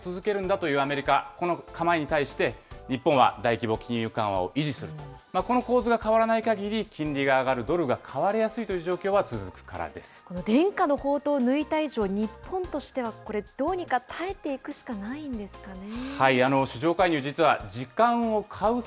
というのもこちら、景気を犠牲にしてでも、まだまだ利上げを続けるんだというアメリカ、この構えに対して、日本は大規模金融緩和を維持する、この構図が変わらないかぎり、金利が上がる、ドルが買われやすいという状況は続この伝家の宝刀を抜いた以上、日本としてはこれ、どうにか耐えていくしかないんですかね？